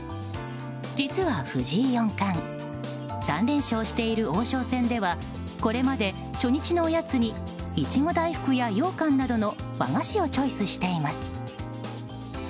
実は、藤井四冠３連勝している王将戦ではこれまで初日のおやつにいちご大福やようかんなどの和菓子をチョイスしています。